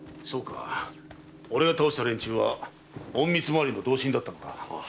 そうか俺が倒した連中は隠密廻りの同心だったのか。